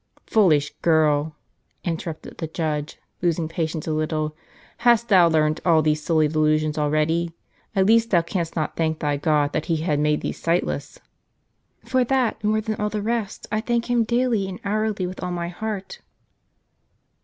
"Foolish girl!" interrupted the judge, losing patience a little; "hast thou learnt all these silly delusions already? at least thou canst not thank thy God that He has made thee sightless." * Blind. cnfil " For that, more than all the rest, I thank Him daily and hourly with all my heart."